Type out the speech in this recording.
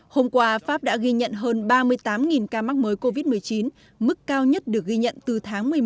hôm qua pháp đã ghi nhận hơn ba mươi tám ca mắc mới covid một mươi chín mức cao nhất được ghi nhận từ tháng một mươi một